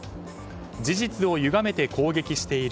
事実をゆがめて攻撃している。